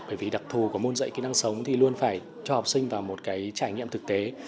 bởi vì đặc thù của môn dạy kỹ năng sống thì luôn phải cho học sinh vào một cái trải nghiệm thực tế